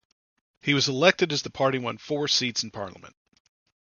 He was elected as the party won four seats in parliament.